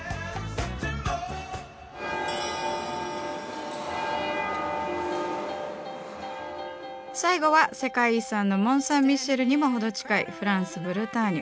すごい最後は世界遺産のモン・サン・ミシェルにも程近いフランスブルターニュ。